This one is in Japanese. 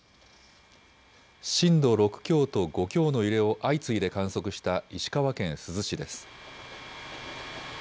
震度６強と５強の揺れを相次いで観測した石川県珠洲市です。